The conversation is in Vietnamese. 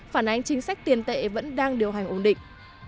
phản ánh chính sách tiền tệ vẫn đang điều hành ổn định